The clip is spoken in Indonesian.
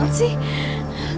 ntar ada ular gak ya